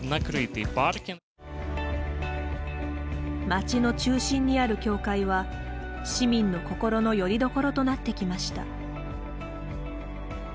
町の中心にある教会は市民の心のよりどころとなってきました。